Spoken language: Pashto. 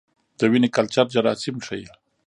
د وینې کلچر جراثیم ښيي.